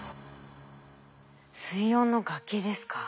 水温の崖ですか。